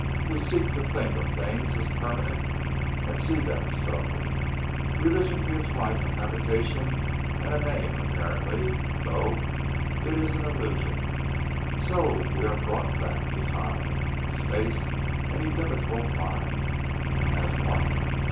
We seek to think of things as permanent and see them so. Religion gives life a habitation and a name apparently though it is an illusion. So we are brought back to time and space and illimitable mind as what?